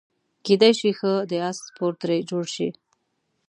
کیدای شي ښه د اس سپور ترې جوړ شي.